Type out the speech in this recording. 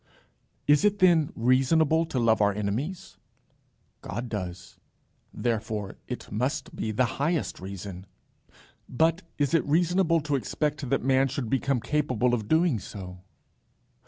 Is it then reasonable to love our enemies? God does; therefore it must be the highest reason. But is it reasonable to expect that man should become capable of doing so?